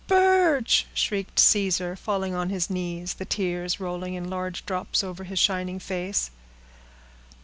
"Birch!" shrieked Caesar, falling on his knees, the tears rolling in large drops over his shining face.